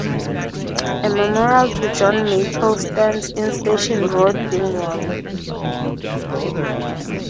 A memorial to John Meikle stands in Station Road, Dingwall.